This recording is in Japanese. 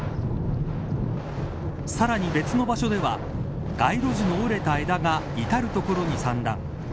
さらに別の場所では街路樹の折れた枝が至る所に散乱。